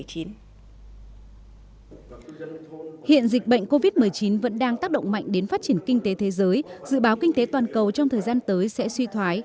hiện dịch bệnh covid một mươi chín vẫn đang tác động mạnh đến phát triển kinh tế thế giới dự báo kinh tế toàn cầu trong thời gian tới sẽ suy thoái